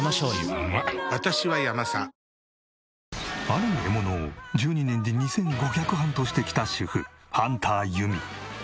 ある獲物を１２年で２５００ハントしてきた主婦ハンターゆみ。